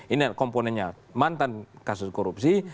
ini komponennya mantan kasus korupsi